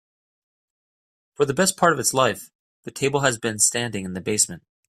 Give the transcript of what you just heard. For the best part of its life, the table has been standing in the basement.